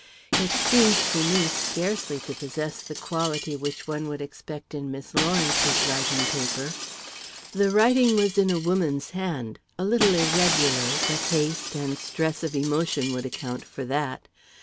It seemed to me scarcely to possess the quality which one would expect in Miss Lawrence's writing paper. The writing was in a woman's hand, a little irregular; but haste and stress of emotion would account for that.